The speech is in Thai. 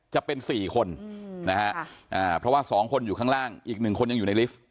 จะเป็น๔คนนะฮะเพราะว่า๒คนอยู่ข้างล่างอีก๑คนยังอยู่ในลิฟต์